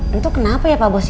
itu kenapa ya pak bos